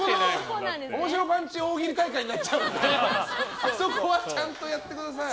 面白パンチ大喜利大会になっちゃうのであそこはちゃんとやってください。